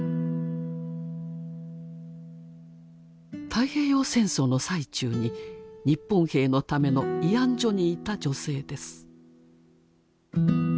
太平洋戦争の最中に日本兵のための慰安所にいた女性です。